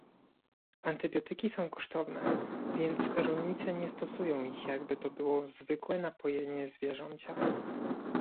Antybiotyki są kosztowne, więc rolnicy nie stosują ich jakby to było zwykłe napojenie zwierzęcia